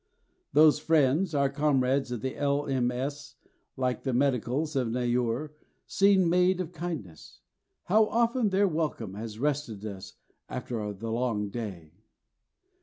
Those friends, our comrades of the L.M.S., like the Medicals at Neyoor, seemed made of kindness. How often their welcome has rested us after the long day!